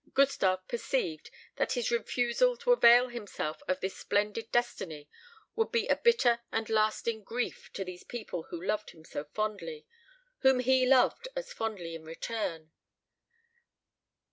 Gustave perceived that his refusal to avail himself of this splendid destiny would be a bitter and lasting grief to these people who loved him so fondly whom he loved as fondly in return.